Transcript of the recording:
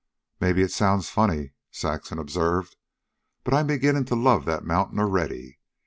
"Maybe it sounds funny," Saxon observed; "but I 'm beginning to love that mountain already.